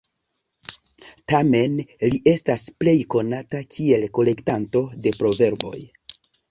Tamen li estas plej konata kiel kolektanto de proverboj.